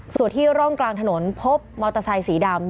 ส่วนที่ร่องกลางถนนพบมอเตอร์ไซสีดำ